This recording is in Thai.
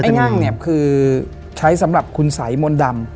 งั่งเนี่ยคือใช้สำหรับคุณสัยมนต์ดำ